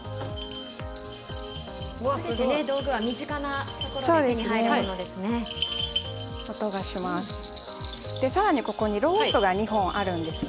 道具は身近なところで手に入るものですね。